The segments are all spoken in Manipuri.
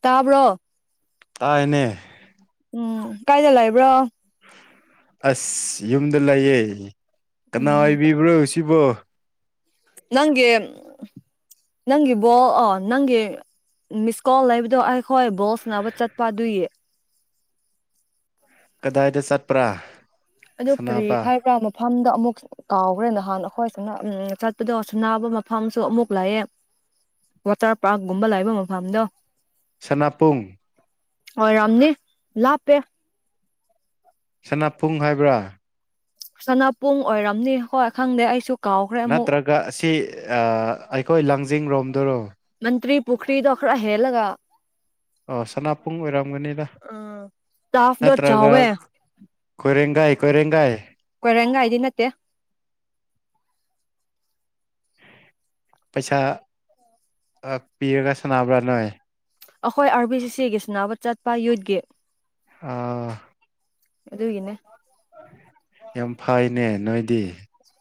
ꯇꯥꯕ꯭ꯔꯣ ꯇꯥꯏꯅꯦ ꯎꯝ ꯀꯥꯏꯗ ꯂꯩꯕ꯭ꯔꯣ ꯑꯁ ꯌꯨꯝꯗ ꯂꯩꯌꯦ ꯀꯅꯥ ꯎꯝ ꯑꯣꯏꯕꯤꯕ꯭ꯔꯣ ꯁꯤꯕꯣ [unintelligible] ꯃꯤꯁ ꯀꯣꯜ ꯂꯩꯕꯗꯣ ꯑꯩꯈꯣꯏ ꯕꯣꯁꯅꯥꯅꯕ ꯆꯠꯄ ꯑꯗꯨꯏꯌꯦ ꯀꯗꯥꯏꯗ ꯆꯠꯄ꯭ꯔꯥ ꯑꯗꯨ ꯀꯔꯤ ꯁꯅꯥꯄꯥ ꯍꯥꯏꯕ꯭ꯔꯥ ꯃꯐꯝꯗ ꯑꯃꯨꯛ ꯀꯥꯎꯈ꯭ꯔꯦꯅꯍꯥꯟ ꯑꯩꯈꯣꯏ ꯁꯝꯅ ꯎꯝ ꯆꯠꯄꯗꯣ ꯁꯨꯝ ꯅꯥꯕ ꯃꯐꯝꯁꯨ ꯑꯃꯨꯛ ꯂꯩꯑꯦ ꯋꯥꯇꯔ ꯄꯥꯔꯛꯀꯨꯝꯕ ꯂꯩꯕ ꯃꯐꯝꯗꯣ ꯁꯅꯥꯄꯨꯡ ꯑꯣꯏꯔꯥꯝꯅꯤ ꯂꯥꯞꯄꯦ ꯁꯅꯥꯄꯨꯡ ꯍꯥꯏꯕ꯭ꯔꯥ ꯁꯅꯥꯄꯨꯡ ꯑꯣꯏꯔꯝꯅꯤ ꯍꯣꯏ ꯈꯪꯗꯦ ꯑꯩꯁꯨ ꯀꯥꯎꯈ꯭ꯔꯦ ꯑꯃꯨꯛ ꯅꯠꯇ꯭ꯔꯒ ꯁꯤ ꯑꯩꯈꯣꯏ ꯂꯥꯡꯖꯤꯡꯔꯣꯝꯗꯨꯔꯣ ꯃꯟꯇ꯭ꯔꯤ ꯄꯨꯈꯔꯤꯗ ꯑꯈꯔ ꯍꯦꯜꯂꯒ ꯑꯣ ꯁꯅꯥꯄꯨꯡ ꯑꯣꯏꯔꯝꯒꯅꯤꯗ ꯎꯝ ꯇꯥꯐꯗꯣ ꯅꯠꯇ꯭ꯔꯒ ꯆꯥꯎꯋꯦ ꯀꯣꯏꯔꯦꯡꯒꯩ ꯀꯣꯏꯔꯦꯡꯒꯩ ꯀꯣꯏꯔꯦꯉꯩꯗ ꯅꯠꯇꯦ ꯄꯩꯁꯥ ꯄꯤꯔꯒ ꯁꯥꯟꯅꯕ꯭ꯔꯥ ꯅꯣꯏ ꯑꯩꯈꯣꯏ ꯑꯥꯔ ꯕꯤ ꯁꯤ ꯁꯤꯒꯤ ꯁꯤꯅꯕ ꯆꯠꯄ ꯌꯨꯠꯀꯤ [unintelligible] ꯑꯗꯨꯒꯤꯅꯦ ꯌꯥꯝ ꯐꯩꯅꯦ ꯅꯣꯏꯗꯤ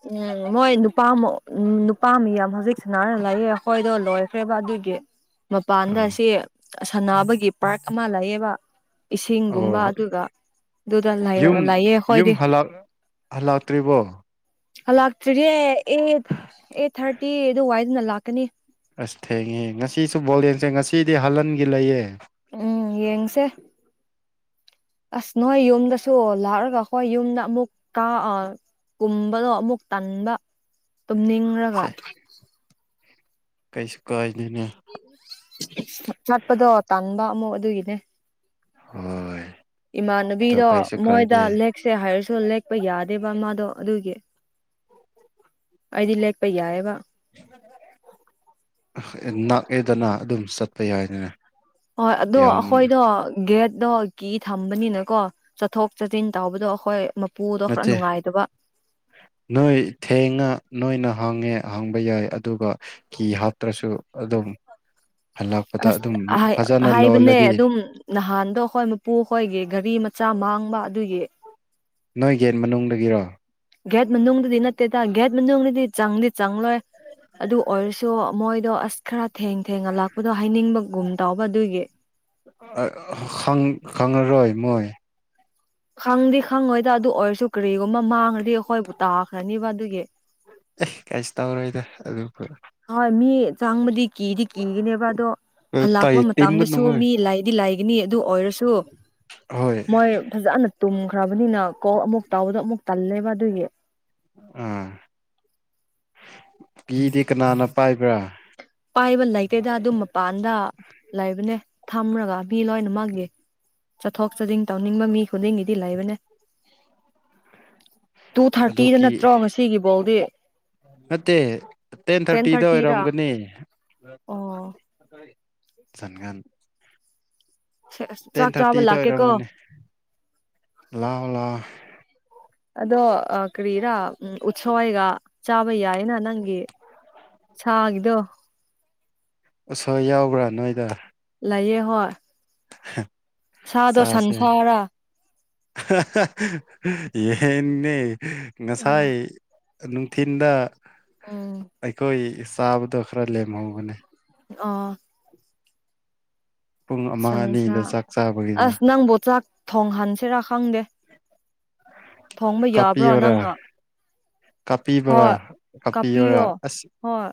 ꯎꯝ ꯃꯣꯏ ꯅꯨꯄꯥ ꯑꯃ ꯅꯨꯄꯥ ꯃꯤ ꯌꯥꯝ ꯍꯧꯖꯤꯛ ꯁꯅꯥꯔ ꯂꯩꯌꯦ ꯑꯩꯈꯣꯏꯗꯣ ꯂꯣꯏ ꯈ꯭ꯔꯦꯕ ꯑꯗꯨꯒꯤ ꯃꯄꯥꯟꯗ ꯑꯥ ꯁꯤ ꯁꯥꯟꯅꯕꯒꯤ ꯄꯥꯔꯛ ꯑꯃ ꯂꯩꯌꯦꯕ ꯑꯣ ꯏꯁꯤꯡꯒꯨꯝꯕ ꯑꯗꯨꯒ ꯑꯗꯨꯗ ꯂꯩꯔꯒ ꯂꯩꯌꯦ ꯍꯣꯏꯗꯤ ꯍꯜꯂꯥꯛꯇ꯭ꯔꯤꯕꯣ ꯍꯜꯂꯥꯛꯇ꯭ꯔꯤꯒꯦ ꯑꯩꯠ ꯑꯦꯠ ꯊꯥꯔꯇꯤ ꯑꯗꯨ ꯋꯥꯏꯗꯨꯅ ꯂꯥꯛꯀꯅꯤ ꯑꯁ ꯊꯦꯡꯉꯦ ꯉꯁꯤꯁꯨ ꯕꯣꯜ ꯌꯦꯡꯁꯦ ꯉꯁꯤꯗꯤ ꯍꯥꯂꯟꯒꯤ ꯂꯩꯌꯦ ꯎꯝ ꯌꯦꯡꯁꯦ ꯑꯁ ꯅꯣꯏ ꯌꯨꯝꯗꯁꯨ ꯂꯥꯛꯑꯒ ꯍꯣꯏ ꯌꯨꯝꯗ ꯑꯃꯨꯛ ꯀ ꯀꯨꯝꯕꯗꯣ ꯑꯃꯨꯛ ꯇꯟꯕ ꯇꯨꯝꯅꯤꯡꯔꯒ ꯁꯦ ꯀꯩꯁꯨ ꯀꯥꯏꯗꯦꯅꯥ ꯆꯠꯄꯗꯣ ꯇꯥꯟꯕ ꯑꯃꯨꯛ ꯑꯗꯨꯒꯤꯅꯦ ꯍꯣꯏ ꯑꯗꯣ ꯏꯃꯥꯟꯕꯤꯗ ꯀꯩꯁꯨ ꯃꯣꯏꯣꯏꯗ ꯀꯥꯏꯗꯦ ꯂꯦꯛ ꯁꯦ ꯍꯥꯏꯔꯁꯨ ꯂꯦꯛꯄ ꯌꯥꯗꯦꯕ ꯃꯥꯗꯣ ꯑꯗꯨꯒꯤ ꯑꯩꯗꯤ ꯂꯦꯛꯄ ꯌꯥꯏꯕ ꯅꯥꯛꯑꯦꯗꯅ ꯑꯗꯨꯝ ꯆꯠꯄ ꯌꯥꯏꯗꯅꯥ ꯍꯣꯏ ꯑꯗꯣ ꯑꯩꯈꯣꯏꯗꯣ ꯒꯦꯠꯇꯣ ꯒꯤ ꯊꯝꯕꯅꯤꯅꯀꯣ ꯆꯠꯊꯣꯛ ꯆꯠꯁꯤꯟ ꯇꯧꯕꯗꯣ ꯑꯩꯈꯣꯏ ꯄꯨꯗꯣ ꯈꯔ ꯅꯠꯇꯦ ꯅꯨꯡꯉꯥꯏꯇꯕ ꯅꯣꯏ ꯊꯦꯡꯉ ꯅꯣꯏꯅ ꯍꯥꯡꯉꯦ ꯍꯥꯡꯕ ꯌꯥꯏ ꯑꯗꯨꯒ ꯀꯤ ꯍꯥꯞꯇ꯭ꯔꯁꯨ ꯑꯗꯨꯝ ꯍꯜꯂꯛꯄꯗ ꯑꯗꯨꯝ ꯑꯁ ꯐꯖꯅ ꯍꯥꯏꯕꯅꯦ ꯂꯣꯜꯂꯗꯤ ꯑꯗꯨꯝ ꯅꯍꯥꯟꯗꯣ ꯑꯩꯈꯣꯏ ꯃꯄꯨ ꯑꯩꯈꯣꯏꯒꯤ ꯒꯔꯤ ꯃꯆꯥ ꯃꯥꯡꯕ ꯑꯗꯨꯒꯤ ꯅꯣꯏ ꯒꯦꯠ ꯃꯅꯨꯡꯗꯒꯤꯔꯣ ꯒꯦꯠ ꯃꯅꯨꯡꯗꯗꯤ ꯅꯠꯇꯦꯗ ꯒꯦꯠ ꯃꯅꯨꯡꯗꯤ ꯆꯪꯗꯤ ꯆꯪꯂꯣꯏ ꯑꯗꯨ ꯑꯣꯏꯔꯁꯨ ꯃꯣꯏꯗꯣ ꯑꯁ ꯈꯔ ꯊꯦꯡ ꯊꯦꯡꯉꯥ ꯂꯥꯛꯄꯗꯣ ꯍꯥꯏꯅꯤꯡꯕꯒꯨꯝ ꯇꯧꯕ ꯑꯗꯨꯒꯤ ꯑꯥ ꯈꯪ ꯈꯪꯉꯔꯣꯏ ꯃꯣꯏ ꯈꯪꯗꯤ ꯈꯪꯉꯣꯏꯗ ꯑꯗꯨ ꯑꯣꯏꯔꯁꯨ ꯀꯔꯤꯒꯨꯝꯕ ꯃꯥꯡꯉꯗꯤ ꯑꯩꯈꯣꯏꯕꯨ ꯇꯥꯈ꯭ꯔꯅꯤꯕ ꯑꯗꯨꯒꯤ ꯑꯦ ꯀꯩꯁꯨ ꯇꯧꯔꯣꯏꯗ ꯑꯗꯨꯕꯨ ꯍꯣꯏ ꯃꯤ ꯆꯪꯕꯗꯤ ꯀꯤꯗꯤ ꯀꯤꯒꯅꯦꯕ ꯑꯗꯣ ꯇꯩ ꯍꯜꯂꯛꯄ ꯃꯇꯝꯗꯁꯨ ꯇꯤꯝꯒꯅꯨꯉꯣꯏ ꯃꯤ ꯂꯩ ꯗꯤ ꯂꯥꯏꯒꯅꯤ ꯑꯗꯨ ꯑꯣꯏꯔꯁꯨ ꯍꯣꯏ ꯃꯣꯏ ꯐꯖꯅ ꯇꯨꯝꯈ꯭ꯔꯕꯅꯤꯅ ꯀꯣꯜ ꯑꯃꯨꯛ ꯇꯥꯎꯕꯗ ꯑꯃꯨꯛ ꯇꯜꯂꯦꯕ ꯑꯗꯨꯒꯤ ꯎꯝ ꯀꯤꯗꯤ ꯀꯅꯥꯅ ꯄꯥꯏꯕ꯭ꯔꯥ ꯄꯥꯏꯕ ꯂꯩꯇꯦꯗ ꯑꯗꯨ ꯃꯄꯥꯟꯗ ꯂꯩꯕꯅꯦ ꯊꯝꯔꯒ ꯃꯤ ꯂꯣꯏꯅꯃꯛꯒꯤ ꯆꯠꯊꯣꯛ ꯆꯥꯗꯤꯡ ꯇꯧꯅꯤꯡꯕ ꯃꯤ ꯈꯨꯗꯤꯡꯒꯤꯗꯤ ꯂꯩꯕꯅꯦ ꯇꯨ ꯑꯗꯨ ꯊꯥꯔꯇꯤꯗ ꯀꯤ ꯅꯠꯇ꯭ꯔꯣ ꯉꯁꯤꯒꯤ ꯕꯣꯜꯗꯤ ꯅꯠꯇꯦ ꯇꯦꯟ ꯊꯥꯔꯇꯤꯗ ꯑꯣꯏꯔꯝꯒꯅꯤ ꯑꯣ [unintelligible] ꯆꯪꯒꯥꯟ ꯆꯥꯛ ꯇꯦꯟ ꯆꯥꯕ ꯊꯥꯔꯇꯤꯗ ꯂꯥꯛꯀꯦꯀꯣ ꯑꯣꯏꯔꯝꯒꯅꯤ ꯂꯥꯛꯑꯣ ꯂꯥꯛꯑꯣ ꯑꯗꯣ ꯑꯥ ꯀ꯭ꯔꯤꯔꯥ ꯎꯠꯁꯣꯏꯒ ꯆꯥꯕ ꯌꯥꯏꯅ ꯅꯪꯒꯤ ꯁꯥꯒꯤꯗꯣ ꯎꯁꯣꯏ ꯌꯥꯎꯕ꯭ꯔꯥ ꯅꯣꯏꯗ ꯂꯩꯌꯦ ꯍꯣꯏ ꯁꯥꯗꯣ ꯆꯥꯁꯦ ꯁꯟꯁꯥꯔꯥ ꯌꯦꯟꯅꯦ ꯉꯁꯥꯏ ꯅꯨꯡꯊꯤꯟꯗ ꯎꯝ ꯑꯩꯈꯣꯏ ꯆꯥꯕꯗꯣ ꯈꯔ ꯂꯦꯝꯍꯧꯕꯅꯦ ꯑꯣ ꯄꯨꯡ ꯑꯃ ꯁꯟꯁꯥ ꯑꯅꯤꯗ ꯆꯥꯛ ꯆꯥꯕꯒꯤꯅ ꯑꯁ ꯅꯪꯕꯨ ꯆꯥꯛ ꯊꯣꯡꯍꯟꯁꯤꯔꯥ ꯈꯪꯗꯦ ꯊꯣꯡꯕ ꯌꯥꯕ꯭ꯔꯣ ꯀꯥꯞꯄꯤꯌꯣꯔꯥ ꯅꯪꯅ ꯀꯥꯞꯄꯤꯕꯔꯥ ꯍꯣꯏ ꯀꯥꯞꯄꯤꯌꯣꯔꯥ ꯀꯥꯞꯄꯤꯌꯣ ꯑꯁ ꯍꯣꯏ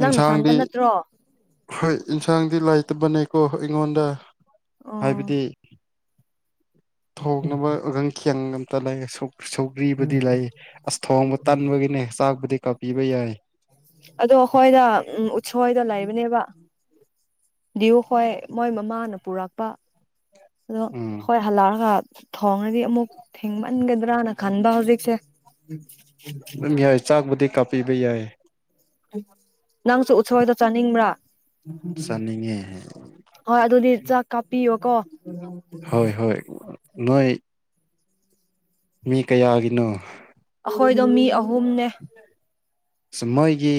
ꯅꯪꯅ ꯅꯊꯟꯗ ꯅꯠꯇ꯭ꯔꯣ ꯍꯣꯏ ꯏꯟꯁꯥꯡꯗꯤ ꯂꯥꯏꯇꯕꯅꯦꯀꯣ ꯑꯩꯉꯣꯟꯗ ꯑꯣ ꯍꯥꯏꯕꯗꯤ ꯊꯣꯡꯅꯕ ꯑꯒꯪ ꯈꯤꯌꯦꯟ ꯑꯝꯇ ꯂꯩꯒꯦ ꯁꯧ ꯁꯧꯒ꯭ꯔꯤ ꯗꯤ ꯂꯩ ꯑꯁ ꯊꯣꯡꯕ ꯇꯟꯕꯒꯤꯅꯦ ꯆꯥꯛꯄꯨꯗꯤ ꯀꯥꯞꯄꯤꯕ ꯌꯥꯏ ꯑꯗꯣ ꯑꯩꯈꯣꯏꯗ ꯎꯝ ꯎꯠꯁꯣꯏꯗꯣ ꯂꯩꯕꯅꯦꯕ ꯗꯤꯎ ꯍꯣꯏ ꯃꯣꯏ ꯃꯃꯥꯅ ꯄꯨꯔꯛꯄ ꯑꯗꯣ ꯎꯝ ꯍꯣꯏ ꯍꯜꯂꯛꯑꯒ ꯊꯣꯡꯉꯔꯥꯗꯤ ꯑꯃꯨꯛ ꯊꯤꯡꯃꯟꯒꯗ꯭ꯔꯥꯅ ꯈꯟꯕ ꯍꯧꯖꯤꯛꯁꯦ ꯎꯝ ꯌꯥꯏ ꯆꯥꯛꯕꯨꯗꯤ ꯀꯥꯞꯄꯤꯕ ꯌꯥꯏ ꯅꯪꯁꯨ ꯎꯠꯁꯣꯏꯗꯣ ꯆꯥꯅꯤꯡꯕ꯭ꯔꯥ ꯆꯥꯅꯤꯡꯉꯦ ꯍꯣꯏ ꯑꯗꯨꯗꯤ ꯆꯥꯛ ꯀꯥꯞꯄꯤꯌꯣꯀꯣ ꯍꯣꯏ ꯍꯣꯏ ꯅꯣꯏ ꯃꯤ ꯀꯌꯥꯒꯤꯅꯣ ꯑꯩꯈꯣꯏꯗꯣ ꯃꯤ ꯑꯍꯨꯝꯅꯦ ꯑꯁ ꯃꯣꯏꯒꯤ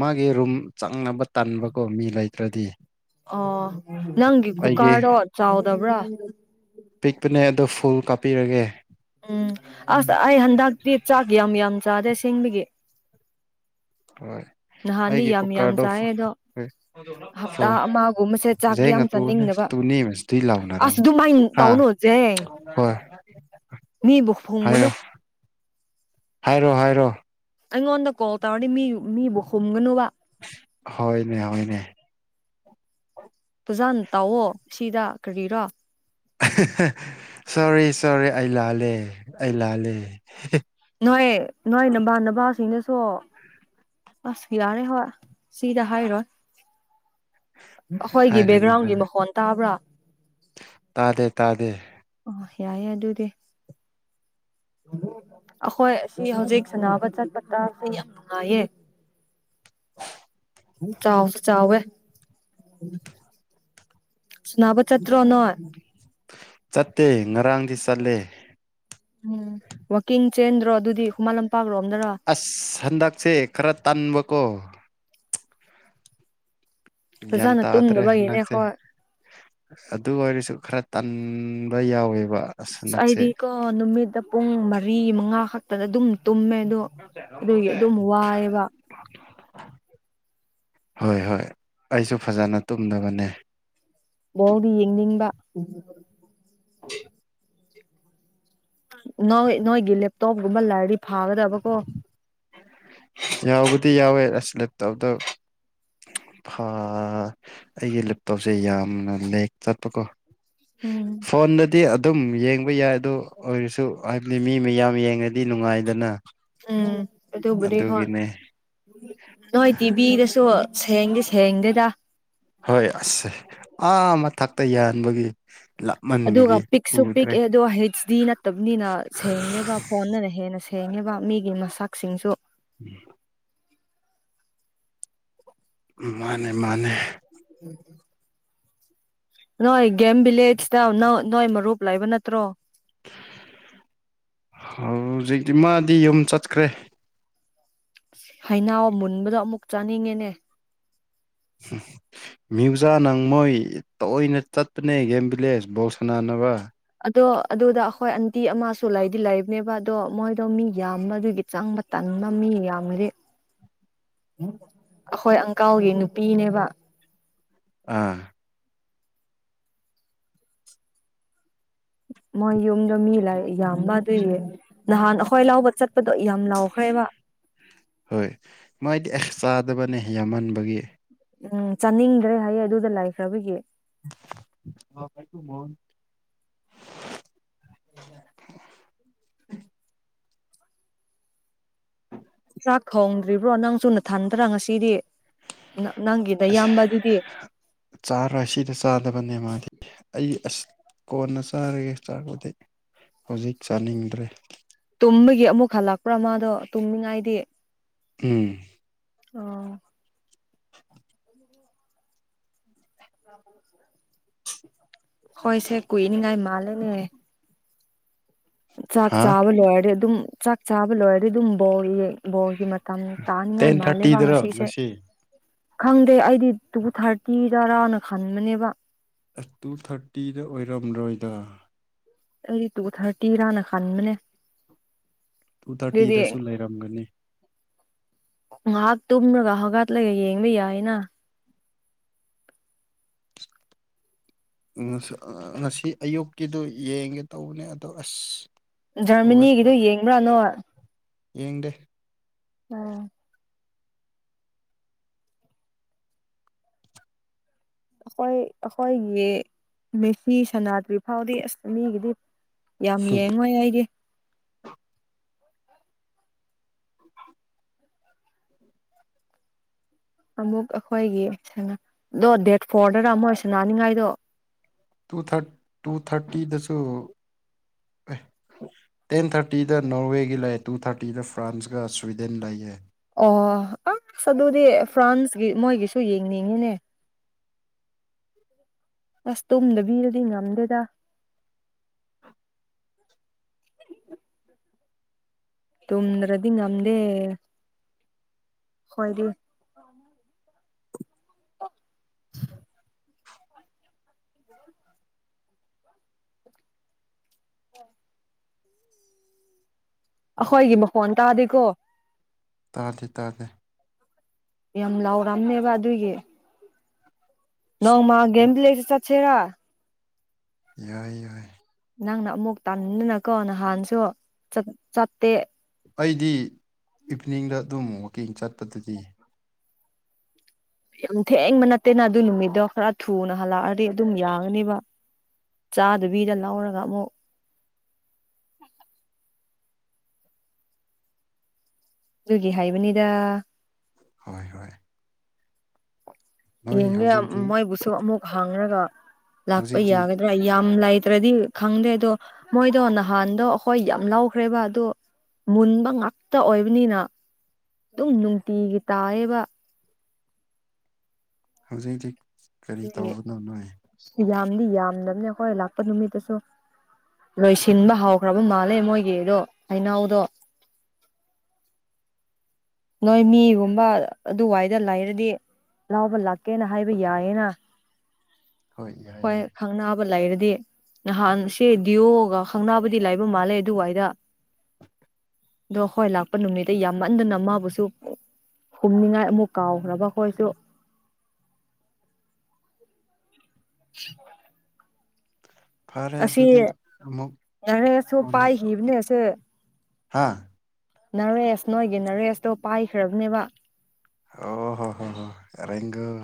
ꯃꯥꯒꯤ ꯔꯨꯝ ꯆꯪꯅꯕ ꯇꯟꯕꯀꯣ ꯃꯤ ꯂꯩꯇ꯭ꯔꯗꯤ ꯑꯣ ꯅꯪꯒꯤ ꯑꯩꯒꯤ ꯀꯨꯀꯥꯔꯗꯣ ꯆꯥꯎꯗꯕ꯭ꯔꯥ ꯄꯤꯛꯄꯅꯦ ꯑꯗꯣ ꯐꯨꯜ ꯀꯥꯞꯄꯤꯔꯒꯦ ꯎꯝ ꯑꯁ ꯑꯩ ꯍꯟꯗꯛꯇꯤ ꯆꯥꯛ ꯌꯥꯝ ꯌꯥꯝ ꯆꯥꯗ꯭ꯦ ꯁꯦꯡꯕꯒꯤ ꯍꯣꯏ ꯅꯍꯥꯟꯗꯤ ꯑꯩꯒꯤ ꯌꯥꯝ ꯌꯥꯝ ꯀꯨꯀꯥꯔꯗꯣ ꯑꯣꯐ ꯆꯥꯏꯌꯦ ꯑꯗꯣ ꯇ ꯍꯞꯇꯥ ꯑꯃꯒꯨꯝꯕꯁꯦ ꯆꯥꯛ ꯌꯥꯝ ꯇꯨ ꯅꯁ ꯆꯥꯅꯤꯡꯗꯕ ꯊꯨ ꯂꯥꯎꯅꯥ ꯑꯁ ꯑꯗꯨꯃꯥꯏꯅ ꯍꯥ ꯇꯧꯅꯨ ꯖꯦꯡ ꯍꯣꯏ꯫ ꯃꯤꯕꯨ ꯐꯣꯡꯒꯨꯅꯨ꯫ ꯍꯥꯏꯔꯣ ꯍꯥꯏꯔꯣ ꯍꯥꯏꯔꯣ꯫ ꯑꯩꯉꯣꯟꯗ ꯀꯣꯜ ꯇꯧꯔꯗꯤ ꯃꯤ ꯃꯤꯕꯨ ꯍꯨꯝꯒꯅꯨꯕ꯫ ꯍꯣꯏꯅꯦ ꯍꯣꯏꯅꯦ꯫ ꯄꯨꯖꯥꯅ ꯇꯥꯛꯑꯣ ꯁꯤꯗ ꯀꯔꯤꯔꯣ꯫ ꯁꯣꯔꯤ ꯁꯣꯔꯤ ꯑꯩ ꯂꯥꯜꯂꯦ ꯑꯩ ꯂꯥꯜꯂꯦ꯫ ꯅꯣꯏ ꯅꯣꯏ ꯅꯃꯥꯟꯅꯕꯁꯤꯡꯗꯨꯁꯨ ꯑꯁ ꯌꯥꯔꯦ ꯍꯣꯏ ꯁꯤꯗ ꯍꯥꯏꯔꯣꯏ꯫ ꯑꯩꯈꯣꯏꯒꯤ ꯍꯥꯏꯔꯅꯨ ꯕꯦꯛꯒ꯭ꯔꯥꯎꯟꯒꯤ ꯍꯥꯏꯔ ꯃꯈꯣꯟ ꯇꯥꯕ꯭ꯔꯥ꯫ ꯇꯥꯗꯦ ꯇꯥꯗꯦ꯫ ꯑꯣ ꯌꯥꯏꯦ ꯑꯗꯨꯗꯤ꯫ ꯑꯩꯈꯣꯏ ꯑꯁꯤ ꯍꯧꯖꯤꯛ꯫ ꯁꯥꯟꯅꯕ ꯆꯠꯄꯗꯥꯥꯁ ꯌꯥꯝ ꯅꯨꯡꯉꯥꯏꯌꯦ [inaudible] ꯆꯥꯎꯁꯨ ꯆꯥꯎꯋꯦ꯫ ꯎꯝ꯫ ꯁꯅꯥꯕ ꯆꯠꯇꯔꯣ ꯅꯣꯏ꯫ ꯆꯠꯇꯦ ꯉꯔꯥꯡꯗꯤ ꯆꯠꯂꯦ꯫ ꯎꯝ ꯋꯥꯛꯀꯤꯡ ꯆꯦꯟꯗ꯭ꯔꯣ ꯑꯗꯨꯗꯤ ꯍꯨꯃꯟ ꯂꯝꯄꯥꯛꯂꯣꯝꯗꯔꯣ꯫ ꯑꯁ ꯍꯟꯗꯛꯁꯦ ꯈꯔ ꯇꯟꯕꯀꯣ꯫ ꯒ꯭ꯌꯥꯟ ꯐꯖꯅ ꯇꯥꯗ꯭ꯔꯦ ꯍꯟꯗꯛꯁꯦ ꯇꯨꯝꯗꯕꯒꯤꯅꯦꯈꯣꯏ꯫ ꯑꯗꯨ ꯑꯣꯏꯔꯁꯨ ꯈꯔ ꯇꯟꯕ ꯌꯥꯎꯋꯦꯕ꯫ ꯑꯁ ꯑꯩꯗꯤꯀꯣ ꯅꯨꯃꯤꯠꯇ ꯄꯨꯡ ꯃꯔꯤ ꯃꯉꯥ ꯈꯛꯇꯗ ꯑꯗꯨꯝ ꯇꯨꯝꯃꯦ ꯑꯗꯣ꯫ ꯑꯗꯨꯒꯤ ꯑꯗꯨꯝ ꯋꯥꯏꯑꯦꯕ꯫ ꯍꯣꯏ ꯍꯣꯏ ꯑꯩꯁꯨ ꯐꯖꯅ ꯇꯨꯝꯗꯕꯅꯦ꯫ ꯕꯣꯜꯗꯤ ꯌꯦꯡꯅꯤꯡꯕ꯫ ꯎ [unintelligible] ꯅꯣꯏ ꯅꯣꯏꯒꯤ ꯂꯦꯞꯇꯣꯞꯒꯨꯝꯕ ꯂꯥꯏꯔꯗꯤ ꯐꯥꯒꯗꯕꯀꯣ꯫ ꯌꯥꯎꯕꯨꯗꯤ ꯌꯥꯎꯋꯦ ꯑꯁ ꯂꯦꯞꯇꯣꯞꯇꯣ꯫ ꯑꯩꯒꯤ ꯂꯦꯞꯇꯣꯞꯁꯦ ꯌꯥꯝꯅ ꯂꯦꯛ ꯆꯠꯄꯀꯣ꯫ ꯎꯝ ꯐꯣꯟꯗꯥꯥꯗꯤ ꯑꯗꯨ ꯑꯗꯨꯝ ꯌꯦꯡꯕ ꯌꯥꯏ ꯑꯗꯨ ꯑꯣꯏꯔꯁꯨ ꯍꯥꯏꯕꯗꯤ ꯃꯤ ꯃꯌꯥꯝ ꯌꯦꯡꯉꯗꯤ ꯅꯨꯡꯉꯥꯏꯗꯅ꯫ ꯎꯝ ꯑꯗꯨꯕꯨꯗꯤ ꯍꯣꯏ꯫ ꯑꯗꯨꯒꯤꯅꯦ ꯅꯣꯏ ꯇꯤꯚꯤꯗꯁꯨ ꯁꯌꯦꯡꯗꯤ ꯁꯌꯦꯡꯗꯦꯗ꯫ ꯍꯣꯏ ꯑꯁꯦ ꯑꯥ ꯃꯊꯛꯇ ꯌꯥꯟꯕꯒꯤ꯫ ꯑꯗꯨꯒ ꯂꯥꯞꯃꯟꯕꯒꯤ ꯄꯤꯛꯁꯨ ꯎꯗ꯭ꯔꯦ ꯄꯤꯛꯑꯦ ꯑꯗꯨ ꯍꯩꯖꯗꯤ ꯅꯠꯇꯕꯅꯤꯅ ꯁꯦꯡꯗꯦꯕ꯫ ꯐꯣꯟꯗꯅ ꯍꯦꯟꯅ ꯁꯦꯡꯉꯤꯕ ꯃꯤꯒꯤ ꯃꯁꯛꯁꯤꯡꯁꯨ꯫ ꯎꯝ꯫ ꯃꯥꯅꯦ ꯃꯥꯅꯦ꯫ ꯎꯝ꯫ ꯅꯣꯏ ꯒꯦꯝ ꯚꯤꯂꯦꯖꯇ ꯅꯣꯏ ꯃꯔꯨꯞ ꯂꯩꯕ ꯅꯠꯇ꯭ꯔꯣ꯫ ꯍꯧꯖꯤꯛꯇꯤ ꯃꯥꯗꯤ ꯌꯨꯝ ꯆꯠꯈ꯭ꯔꯦ꯫ ꯍꯩꯅꯎ ꯃꯨꯟꯕꯗꯣ ꯑꯃꯨꯛ ꯆꯥꯅꯤꯡꯉꯦꯅꯦ꯫ ꯎꯝ꯫ ꯃ꯭ꯌꯨꯖꯥ ꯅꯪ ꯃꯣꯏ ꯇꯣꯏꯅ ꯆꯠꯄꯅꯦ ꯒꯦꯝꯕꯤꯂꯦꯟꯁ ꯕꯧꯜ ꯁꯅꯥꯅꯕ꯫ ꯑꯗꯣ ꯑꯗꯨꯗ ꯑꯩꯈꯣꯏ ꯑꯟꯇꯤ ꯑꯃꯁꯨ ꯂꯩꯗꯤ ꯂꯩꯕꯅꯤ ꯑꯗꯣ ꯃꯣꯏꯗꯣ ꯃꯤ ꯌꯥꯝꯕꯗꯨꯗ ꯆꯥꯡꯕ ꯇꯪꯕ ꯃꯤ ꯌꯥꯝꯃꯗꯤ ꯑꯩꯈꯣꯏ ꯑꯪꯀꯥꯜꯒꯤ ꯅꯨꯄꯤꯅꯦꯕ꯫ ꯑꯥ ꯃꯣꯏ ꯌꯨꯝꯗꯣ ꯃꯤ ꯂꯥ ꯌꯥꯝꯕ ꯑꯗꯨꯒꯤ ꯅꯍꯥꯟ ꯑꯩꯈꯣꯏ ꯂꯧꯕ ꯆꯠꯄꯗꯣ ꯌꯥꯝ ꯂꯥꯎ ꯈꯥꯏꯕ ꯍꯣꯏ ꯃꯣꯏꯗꯤ ꯑꯦꯛꯁ ꯆꯥꯗꯕꯅꯦ ꯌꯥꯝꯃꯟꯕꯒꯤ ꯎꯝ ꯆꯥꯅꯤꯡꯗ꯭ꯔꯦ ꯍꯥꯏꯌꯦ ꯑꯗꯨꯗ ꯂꯩꯥꯏꯈ꯭ꯔꯕꯗꯒꯤ ꯍꯂ ꯃꯣ [unintelligible] ꯟ ꯆꯥꯛ ꯊꯣꯡꯗ꯭ꯔꯤꯕ꯭ꯔꯣ ꯅꯪꯁꯨ ꯅꯊꯟꯗ꯭ꯔꯥ ꯉꯁꯤꯗꯤ ꯅꯪꯒꯤ ꯑꯁ ꯅꯌꯥꯝꯕ ꯑꯗꯨꯗꯤ ꯆꯥꯔꯣꯏ ꯑꯁꯤꯗ ꯆꯥꯗꯕꯅꯦ ꯃꯥꯗꯤ ꯑꯩ ꯑ ꯀꯣꯟꯅ ꯆꯥꯔꯒꯦ ꯆꯥꯔꯛꯄꯗꯤ ꯍꯧꯖꯤꯛ ꯆꯥꯅꯤꯡꯗ꯭ꯔꯦ ꯇꯨꯝꯕꯒꯤ ꯑꯃꯨꯛ ꯍꯜꯂꯛꯄ꯭ꯔꯥ ꯃꯥꯗꯣ ꯇꯨꯝꯃꯤꯉꯥꯏꯗꯤ ꯎꯝ ꯑꯣ [inaudible] ꯁꯦ ꯀꯅꯤ ꯅꯥꯏ ꯃꯥꯜꯦꯅꯦ ꯆꯥꯛ ꯍꯥ ꯆꯥꯕ ꯂꯣꯏꯔꯗꯤ ꯑꯗꯨꯝ ꯆꯥꯛ ꯆꯥꯕ ꯂꯣꯏꯔꯗꯤ ꯑꯗꯨꯝ ꯕ ꯕꯣꯒꯤ ꯇꯝ ꯇꯥꯅꯤꯉ ꯇꯦꯟ ꯏꯃꯂꯦ ꯋꯥꯉ ꯊꯥꯔꯇꯤꯗꯔꯣ ꯁꯤꯁꯦ ꯉꯁꯤ ꯈꯪꯗꯦ ꯑꯩꯗꯤ ꯇꯨ ꯊꯥꯔꯇꯤ ꯇꯔꯥꯅ ꯈꯟꯕꯅꯦꯕ ꯇꯨ ꯊꯥꯔꯇꯤꯗ ꯑꯣꯏꯔꯝꯂꯣꯏꯗ ꯑꯩꯗꯤ ꯇꯨ ꯊꯥꯔꯇꯤꯔꯅ ꯈꯟꯕꯅꯦ ꯇꯨ ꯑꯗꯨꯗꯤ ꯊꯥꯔꯇꯤꯗꯁꯨ ꯂꯩꯔꯝꯒꯅꯤ ꯉꯥꯏꯍꯥꯛ ꯇꯨꯝꯔꯒ ꯍꯧꯒꯠꯂꯒ ꯌꯦꯡꯕ ꯌꯥꯏꯅ ꯉꯁꯤ ꯑꯌꯨꯛꯀꯤꯗꯨ ꯌꯦꯡꯒꯦ ꯇꯧꯕꯅꯦ ꯑꯗꯣ ꯑꯁ ꯍꯧꯒꯠꯄ ꯖꯔꯃꯅꯤꯒꯤꯗꯨ ꯌꯦꯡꯕ꯭ꯔꯥꯅꯣ ꯌꯦꯡꯗꯦ ꯎꯝ ꯑꯩꯈꯣꯏ ꯑꯩꯈꯣꯏꯒꯤ ꯃꯦꯁꯤꯤ ꯁꯅꯥꯇ꯭ꯔꯤ ꯐꯥꯎꯗꯤ ꯑꯁ ꯃꯤꯒꯤꯗꯤ ꯌꯥꯝ ꯌꯦꯡꯉꯣꯏ ꯑꯩꯗꯤ [unintelligible] ꯑꯃꯨꯛ ꯑꯩꯈꯣꯏꯒꯤꯗꯣ ꯗꯦꯠ ꯐꯣꯔꯗꯅ ꯑꯃꯨꯛ ꯁꯟꯅꯅꯤꯡꯉꯥꯏꯗꯣ ꯇꯨ ꯊꯥꯔ ꯇꯨ ꯊꯥꯔꯇꯤꯗꯁꯨ ꯇꯦꯟ ꯊꯥꯔꯇꯤꯗ ꯅꯣꯔꯋꯦꯒꯤ ꯂꯩꯌꯦ ꯇꯨ ꯊꯥꯔꯇꯤꯗ ꯐ꯭ꯔꯥꯟꯁꯀ ꯁ꯭ꯋꯤꯗꯦꯟ ꯂꯩꯌꯦ ꯑꯣ ꯑꯁ ꯑꯗꯨꯗꯤ ꯐ꯭ꯔꯥꯟꯁꯀꯤ ꯃꯣꯏꯒꯤꯁꯨ ꯌꯦꯡꯅꯤꯡꯉꯤꯅꯦ ꯑꯁ ꯇꯨꯝꯗꯕꯤꯔꯗꯤ ꯉꯝꯗꯦꯗ ꯇ꯭ꯔꯗꯤ ꯉꯝꯗꯦ ꯍꯣꯏꯗꯤ ꯑ ꯑ ꯑꯩꯈꯣꯏꯒꯤ ꯃꯈꯣꯟ ꯇꯥꯗꯦꯀꯣ ꯇꯥꯗꯦ ꯇꯥꯗꯦ ꯌꯥꯝ ꯂꯥꯎꯔꯝꯅꯦꯕ ꯑꯗꯨꯒꯤ ꯅꯧ ꯃꯥ ꯒꯃꯤ ꯂꯩꯁꯤ ꯆꯠꯆꯦꯔ ꯌꯥꯏ ꯌꯥꯏ ꯅꯪꯅ ꯑꯃꯨꯛ ꯇꯥꯅꯤꯡꯗꯅꯀꯣ ꯅꯍꯥꯟꯁꯨ ꯆꯠꯇꯦ ꯑꯩꯗꯤ ꯏꯚꯅꯤꯡꯗ ꯑꯗꯨꯝ ꯋꯥꯛꯀꯤꯡ ꯆꯠꯄꯗꯗꯤ ꯌꯥꯝ ꯊꯦꯡꯕ ꯅꯠꯇꯦꯅ ꯑꯗꯨ ꯅꯨꯃꯤꯠꯇꯣ ꯈꯔ ꯊꯨꯅ ꯍꯜꯂꯛꯑꯗꯤ ꯑꯗꯨꯝ ꯌꯥꯡꯉꯅꯦꯕ ꯆꯥꯗꯨꯕꯤꯗ ꯂꯧꯔꯒ ꯑꯃꯨꯛ ꯨꯒꯒꯤ ꯍꯥꯏꯕꯅꯤꯗ ꯍꯣꯏ ꯍꯣꯏ ꯅꯣꯏ ꯌꯦꯡꯒꯦ ꯍꯧꯖꯤꯛꯇꯤ ꯃꯣꯏꯕꯨꯁꯨ ꯑꯃꯨꯛ ꯍꯥꯡꯉꯒ ꯂꯥꯛꯄ ꯍꯧꯖꯤꯛꯇꯤ ꯌꯥꯒꯅꯤ ꯌꯥꯝ ꯂꯩꯇ꯭ꯔꯗꯤ ꯈꯪꯗꯦ ꯑꯗꯣ ꯃꯣꯏꯗꯣ ꯅꯍꯥꯟꯗꯣ ꯑꯩꯈꯣꯏ ꯌꯥꯝ ꯂꯧꯈ꯭ꯔꯦꯕ ꯑꯗꯣ ꯃꯨꯟꯕ ꯉꯥꯛꯇ ꯑꯣꯏꯕꯅꯤꯅ ꯑꯗꯨꯝ ꯅꯨꯡꯇꯤꯒꯤ ꯇꯥꯏꯌꯦꯕ ꯍꯧꯖꯤꯛ ꯍꯧꯖꯤꯛ ꯀꯔꯤ ꯑꯗꯨꯒꯤ ꯇꯧꯕꯅꯣ ꯅꯣꯏ ꯌꯥꯝꯗꯤ ꯌꯥꯝꯗꯕꯅꯦ ꯑꯩꯈꯣꯏ ꯂꯥꯛꯄ ꯅꯨꯃꯤꯠꯇꯁꯨ ꯂꯣꯏꯁꯤꯟꯕ ꯍꯥꯎꯈ꯭ꯔꯕ ꯃꯥꯜꯂꯦ ꯃꯣꯏꯒꯤꯗꯣ ꯍꯩꯅꯥꯎꯗꯣ ꯅꯣꯏ ꯃꯤꯒꯨꯝꯕ ꯑꯗꯨꯋꯥꯏꯗ ꯂꯩꯔꯗꯤ ꯂꯥꯎꯕ ꯂꯥꯛꯀꯦꯅ ꯍꯥꯏꯕ ꯌꯥꯏꯌꯦꯅ [inaudible] ꯍꯣꯏ ꯌꯥ ꯍ ꯌꯥꯏ ꯈꯪꯕ ꯂꯩꯔꯗꯤ ꯅꯍꯥꯟ ꯁꯤꯦ ꯗꯤꯌꯣꯒ ꯈꯪꯅꯥꯕꯨꯗꯤ ꯂꯩꯥꯏꯕ ꯃꯥꯜꯂꯦ ꯑꯗꯨꯋꯥꯏꯗ ꯑꯗꯣ ꯍꯣꯏ ꯂꯥꯛꯄ ꯅꯨꯃꯤꯠꯇ ꯌꯥꯝꯃꯟꯗꯅ ꯑꯃ ꯍꯨꯝꯅꯤꯡꯉꯥꯏ ꯑꯃꯨꯛ ꯀꯥꯎꯈ꯭ꯔꯕꯈꯣꯏꯁꯨ [unintelligible] ꯐꯔꯦ ꯑꯁꯤ ꯑꯗꯨꯗꯤ ꯑꯃꯨꯛ ꯅꯔꯦꯁꯨ ꯄꯥꯏꯈꯤꯕꯅꯦꯁꯦ ꯍꯥꯥ ꯅꯅꯥꯔꯦꯁ ꯅꯣꯏꯒꯤ ꯅꯅꯥꯔꯦꯁꯇꯣ ꯄꯥꯏꯈ꯭ꯔꯕꯅꯦꯕ ꯑꯣ ꯍꯣ ꯍꯣ ꯍꯣ ꯔ‌ꯣꯡꯒ‌ꯣ